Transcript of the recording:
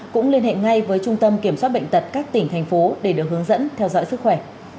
cũng liên hệ ngay với trung tâm kiểm soát bệnh tật các tỉnh thành phố để được hướng dẫn theo dõi sức khỏe